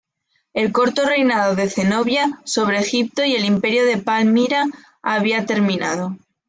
El corto reinado de Zenobia sobre Egipto y el Imperio de Palmira había terminado.